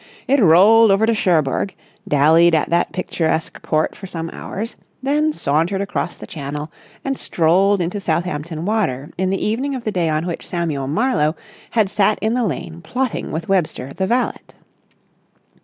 It rolled over to Cherbourg, dallied at that picturesque port for some hours, then sauntered across the Channel and strolled into Southampton Water in the evening of the day on which Samuel Marlowe had sat in the lane plotting with Webster, the valet.